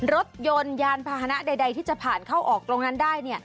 รถยนต์ยานพาหนะใดที่จะผ่านเข้าออกตรงนั้นได้